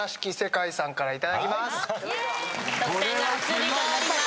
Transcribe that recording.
得点が移りかわります。